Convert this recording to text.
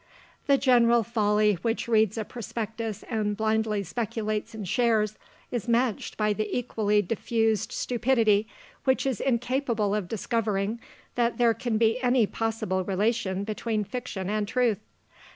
The general folly which reads a prospectus and blindly speculates in shares, is matched by the equally diffused stupidity, which is incapable of discovering that there can be any possible relation between fiction and truth.